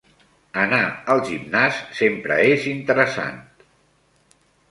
Anar al gimnàs sempre és interessant.